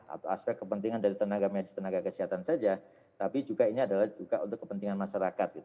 atau aspek kepentingan dari tenaga medis tenaga kesehatan saja tapi juga ini adalah juga untuk kepentingan masyarakat